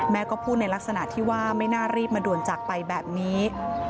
ก็พูดในลักษณะที่ว่าไม่น่ารีบมาด่วนจากไปแบบนี้